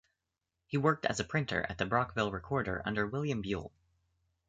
He worked as a printer at the "Brockville Recorder" under William Buell.